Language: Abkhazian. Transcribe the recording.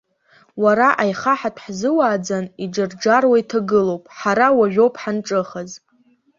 Уара аихаҳатә ҳзыуааӡан, иџарџаруа иҭагылоуп, ҳара уажәоуп ҳанҿыхаз.